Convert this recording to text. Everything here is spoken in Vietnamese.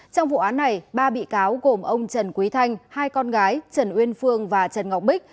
trong vụ án này ba bị cáo gồm ông trần quý thanh hai con gái trần uyên phương và trần ngọc bích